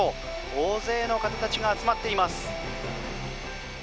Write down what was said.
大勢の方たちが集まっています。